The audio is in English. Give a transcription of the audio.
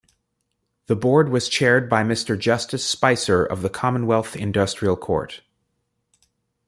The Board was chaired by Mr Justice Spicer of the Commonwealth Industrial Court.